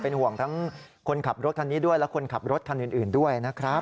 ห่วงทั้งคนขับรถคันนี้ด้วยและคนขับรถคันอื่นด้วยนะครับ